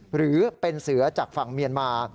หรือเป็นเสือจากฝั่งเมียนมา